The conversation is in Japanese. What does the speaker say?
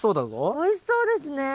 おいしそうですね。